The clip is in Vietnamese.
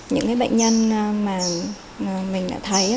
những bệnh nhân mà mình đã thấy